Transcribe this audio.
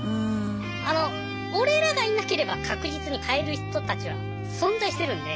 あの俺らがいなければ確実に買える人たちは存在してるんで。